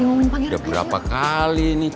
udah berapa kali nih chat